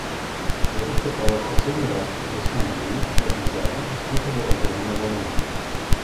Я выступаю в последний раз перед Ассамблеей в этом зале, испытывая огромное волнение.